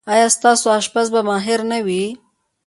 ایا ستاسو اشپز به ماهر نه وي؟